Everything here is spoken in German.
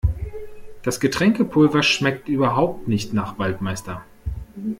Das Getränkepulver schmeckt überhaupt nicht nach Waldmeister.